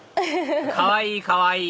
かわいいかわいい！